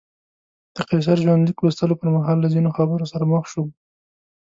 د قیصر ژوندلیک لوستلو پر مهال له ځینو خبرو سره مخ شوم.